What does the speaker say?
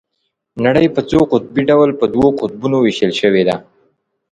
نړۍ په څو قطبي ډول په دوو قطبونو ويشل شوې ده.